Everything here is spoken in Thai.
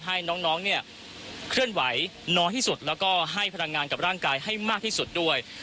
ให้น้องเนี่ยเคลื่อนไหวน้อยที่สุดแล้วก็ให้พลังงานกับร่างกายให้มากที่สุดด้วย